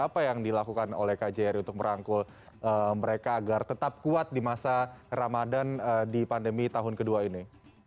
apa yang dilakukan oleh kjri untuk merangkul mereka agar tetap kuat di masa ramadan di pandemi tahun kedua ini